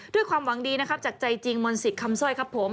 ด้วยความหวังดีนะครับจากใจจริงมนศิษย์คำสร้อยครับผม